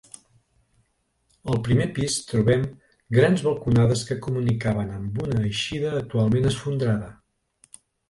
Al primer pis trobem grans balconades que comunicaven amb una eixida actualment esfondrada.